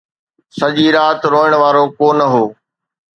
سڄي رات روئڻ وارو ڪو نه هو